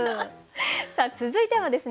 さあ続いてはですね